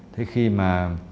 thế khi mà